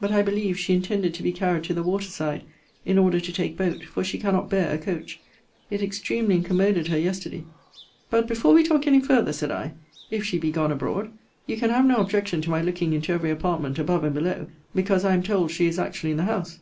But, I believe, she intended to be carried to the waterside, in order to take boat; for she cannot bear a coach. It extremely incommoded her yesterday. But before we talk any further, said I, if she be gone abroad, you can have no objection to my looking into every apartment above and below; because I am told she is actually in the house.